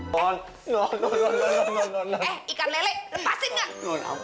tidak tidak tidak